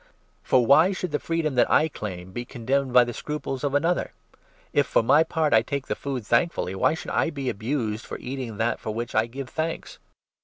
For why should the freedom that I claim be con demned by the scruples of another ? If, for my part, I take 30 the food thankfully, why should I be abused for eating that for which I give thanks